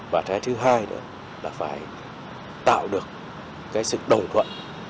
và thế thứ hai là phải tạo được sự đồng thuận